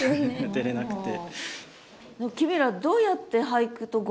出れなくて。